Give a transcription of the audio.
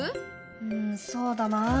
うんそうだなあ。